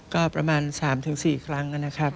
ก็ประมาณ๓๔ครั้งนะครับ